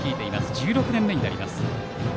１６年目になります。